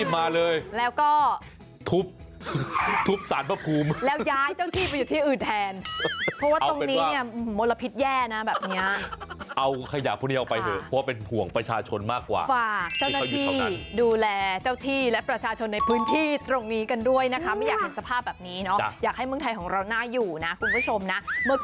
ไม่อยากเห็นสภาพแบบนี้อยากให้เมืองไทยของเราน่าอยู่นะคุณผู้ชมนะ